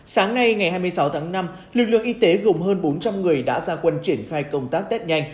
sáng nay ngày hai mươi sáu tháng năm lực lượng y tế gồm hơn bốn trăm linh người đã ra quân triển khai công tác test nhanh